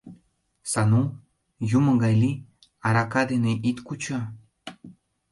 — Сану, юмо гай лий: арака дене ит кучо...